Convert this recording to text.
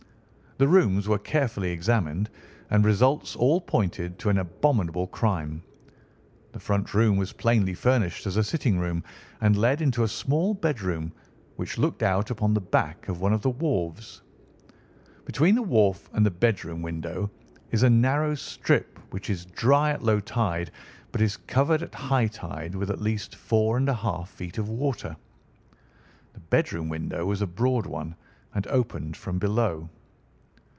The rooms were carefully examined, and results all pointed to an abominable crime. The front room was plainly furnished as a sitting room and led into a small bedroom, which looked out upon the back of one of the wharves. Between the wharf and the bedroom window is a narrow strip, which is dry at low tide but is covered at high tide with at least four and a half feet of water. The bedroom window was a broad one and opened from below.